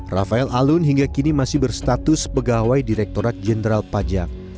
rafael alun hingga kini masih berstatus pegawai direkturat jenderal pajak